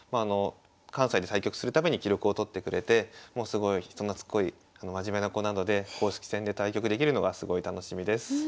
関西で対局する度に記録をとってくれてすごい人なつっこい真面目な子なので公式戦で対局できるのがすごい楽しみです。